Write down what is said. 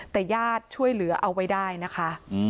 แต่ญาติช่วยเหลือเอาไว้ได้นะคะ